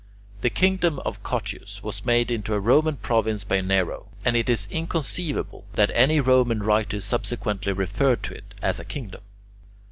The kingdom of Cottius was made into a Roman province by Nero (cf. Suetonius, Nero, 18), and it is inconceivable that any Roman writer subsequently referred to it as a kingdom.